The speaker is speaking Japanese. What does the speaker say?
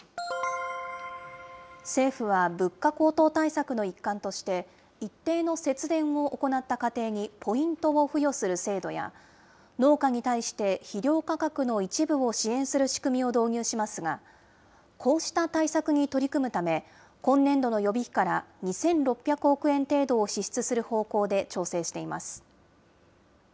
政府は、物価高騰対策の一環として、一定の節電を行った家庭にポイントを付与する制度や、農家に対して肥料価格の一部を支援する仕組みを導入しますが、こうした対策に取り組むため、今年度の予備費から２６００億円程度を支出する方向で調整しています。